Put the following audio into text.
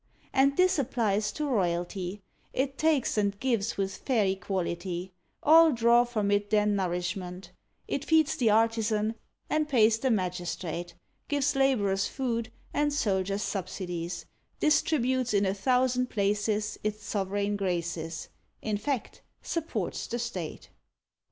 And this applies to royalty, It takes and gives with fair equality; All draw from it their nourishment: It feeds the artisan, and pays the magistrate, Gives labourers food, and soldiers subsidies, Distributes in a thousand places Its sovereign graces; In fact, supports the State.